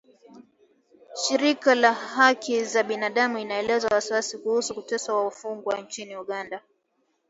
Shirika la haki za binadam inaelezea wasiwasi kuhusu kuteswa wafungwa nchini Uganda